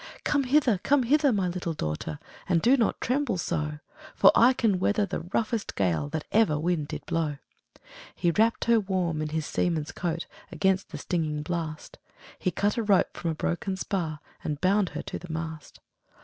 'Come hither! come hither! my little daughtèr. And do not tremble so; For I can weather the roughest gale That ever wind did blow.' He wrapp'd her warm in his seaman's coat Against the stinging blast; He cut a rope from a broken spar, And bound her to the mast.